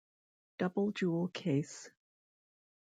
Double jewel case.